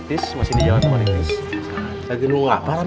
isi udah dateng belum